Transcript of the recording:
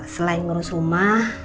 selain ngerus rumah